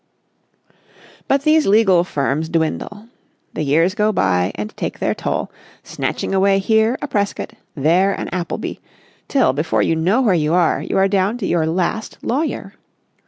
But these legal firms dwindle. The years go by and take their toll, snatching away here a Prescott, there an Appleby, till, before you know where you are, you are down to your last lawyer.